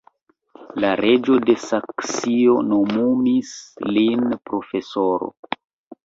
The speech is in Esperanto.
La reĝo de Saksio nomumis lin profesoro.